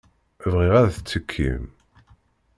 Bɣiɣ ad tettekkim.